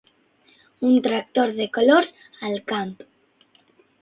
Un tractor de colors al camp.